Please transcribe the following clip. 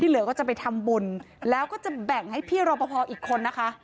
เหลือก็จะไปทำบุญแล้วก็จะแบ่งให้พี่รอปภอีกคนนะคะ